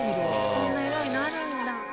こんな色になるんだ。